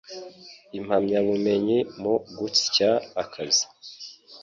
impamyabumenyi mu gusya akazi